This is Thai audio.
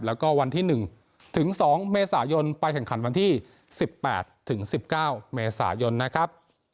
แล้วก็วันที่หนึ่งถึงสองเมษายนไปแข่งขันวันที่สิบแปดถึงสิบเก้าเมษายนนะครับ